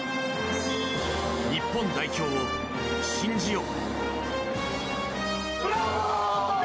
日本代表を信じよう。